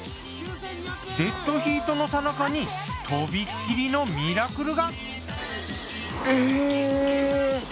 デッドヒートのさなかにとびきりのミラクルが！え！？